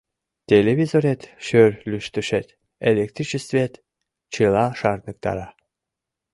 Телевизорет, шӧр лӱштышет, электричествет — чыла шарныктара!.